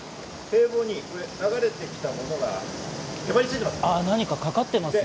堤防に流れてきたものがへばりついてます。